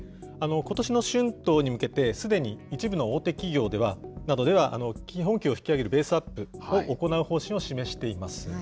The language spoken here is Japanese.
ことしの春闘に向けて、すでに一部の大手企業などでは、基本給を引き上げるベースアップを行う方針を示しています。